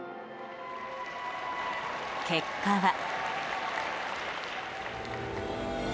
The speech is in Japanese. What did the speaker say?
結果は。